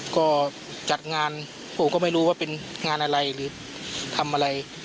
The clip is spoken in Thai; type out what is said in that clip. ก็จัดงานผมก็ไม่รู้ว่าเป็นงานอะไรหรือทำอะไร